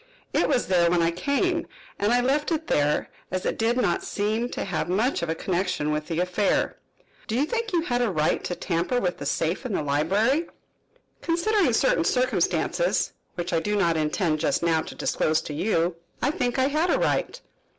"It was there when I came, and I left it there, as it did not seem to have much of a connection with the affair." "Do you think you had a right to tamper with the safe in the library?" "Considering certain circumstances, which I do not intend just now to disclose to you, I think I had a right."